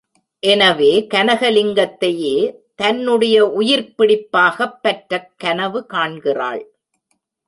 எனவே கனகலிங்கத்தையே தன்னுடைய உயிர்ப் பிடிப்பாகப் பற்றக் கனவு காண்கிறாள்.